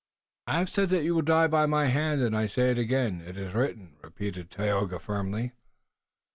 "I have said that you will die by my hand, and I say it again. It is written," repeated Tayoga firmly.